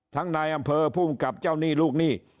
ทั้งนายอำเภอผู้กลับเจ้านี่ลูกนี่